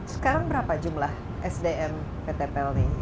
sekarang berapa jumlah sdm pt pl nih